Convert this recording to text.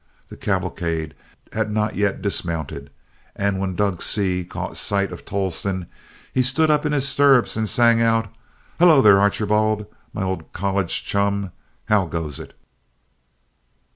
The cavalcade had not yet dismounted, and when Dorg Seay caught sight of Tolleston, he stood up in his stirrups and sang out, "Hello there, Archibald! my old college chum, how goes it?"